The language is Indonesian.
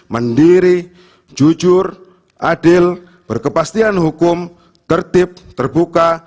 mandiri jujur adil berkepastian hukum tertib terbuka